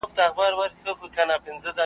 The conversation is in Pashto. ماته د یارانو د مستۍ خبري مه کوه .